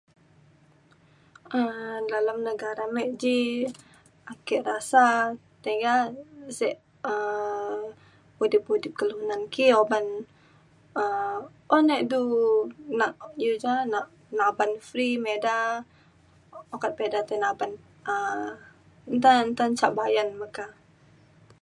um dalam negara me ji ake rasa tiga sek um udip udip kelunan ki uban um un e du nak iu ja nak naban free me ida ukat pa ida tai naban um nta nta ca bayan meka